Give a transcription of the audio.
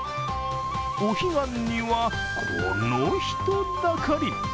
お彼岸にはこの人だかり。